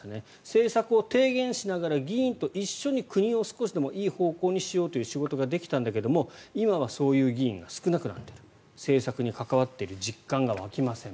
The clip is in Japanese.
政策を提言しながら議員と一緒に国を少しでもいい方向にしようという仕事ができたんだけど今はそういう議員が少なくなっている政策に関わっている実感が湧きません。